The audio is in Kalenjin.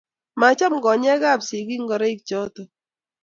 Macham konyeek ab sikiik ngoroik choto.